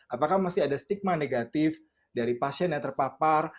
apakah masih ada stigma negatif dari pasien yang terpapar